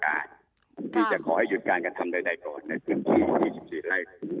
ที่จะขอให้หยุดการกระทำใดก่อนในพื้นที่๒๔ไร่